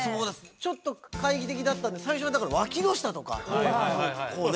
ちょっと懐疑的だったんで最初はだから脇の下とかもうこうね